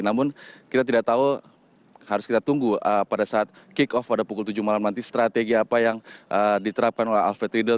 namun kita tidak tahu harus kita tunggu pada saat kick off pada pukul tujuh malam nanti strategi apa yang diterapkan oleh alfred riedel